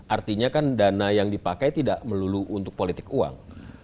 artinya kan dana yang dipakai tidak melulu untuk politik uang